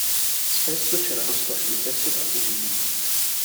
Spesso c'erano storie di sesso tra cugini.